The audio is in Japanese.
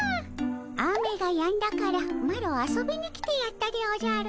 雨がやんだからマロ遊びに来てやったでおじゃる。